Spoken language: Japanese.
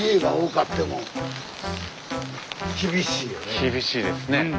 厳しいですね。